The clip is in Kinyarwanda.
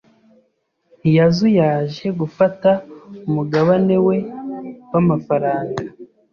Ntiyazuyaje gufata umugabane we w'amafaranga.